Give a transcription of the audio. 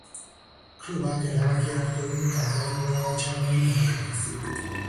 Klubak erabakia hartu du taldearen bolada txarraren eraginez.